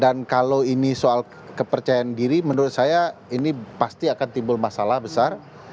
dan kalau ini soal kepercayaan diri menurut saya ini pasti akan timbul masalah besar